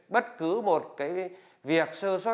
bất cứ một việc sơ sốt